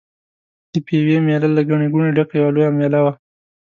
د پېوې مېله له ګڼې ګوڼې ډکه یوه لویه مېله وه.